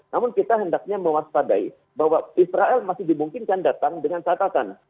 namun kita hendaknya mewaspadai bahwa israel masih dimungkinkan datang dengan catatan